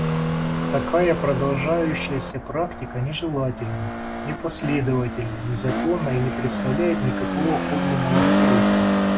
Такая продолжающаяся практика нежелательна, непоследовательна, незаконна и не представляет никакого подлинного интереса.